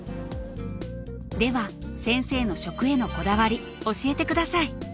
では先生の食へのこだわり教えてください。